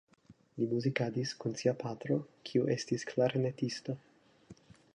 Li muzikadis kun sia patro, kiu estis klarnetisto.